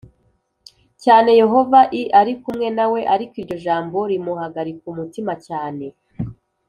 cyane Yehova i ari kumwe nawe Ariko iryo jambo rimuhagarika umutima cyane